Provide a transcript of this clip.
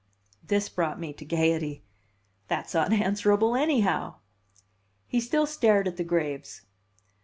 This brought me to gayety. "That's unanswerable, anyhow!" He still stared at the graves.